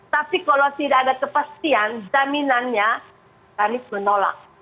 tapi kalau tidak ada kepastian jaminannya anies menolak